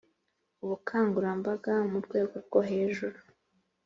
ubukangurambaga mu rwego rwo hejuru